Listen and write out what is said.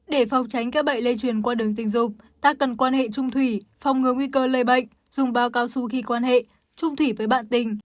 để phòng tránh các bệnh lây truyền qua đường tình dục ta cần quan hệ trung thủy phòng ngừa nguy cơ lây bệnh dùng báo cao su khi quan hệ trung thủy với bạn tình